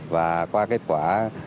và qua kết quả